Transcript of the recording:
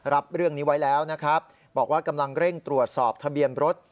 รับเรื่องนี้ไว้แล้วนะครับบอกว่ากำลังเร่งตรวจสอบทะเบียนรถ